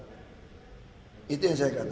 jadi saya tidak akan menurut anda